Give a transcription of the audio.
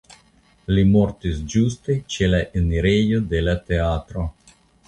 Li mortis ĝuste ĉe la enirejo de la teatro.